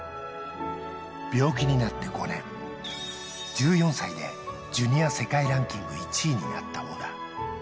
病気になって５年、１４歳でジュニア世界ランキング１位になった小田。